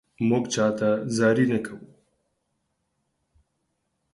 مونږ چاته زاري نه کوو